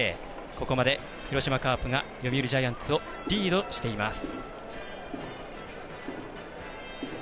ここまで広島カープが読売ジャイアンツをリードしています。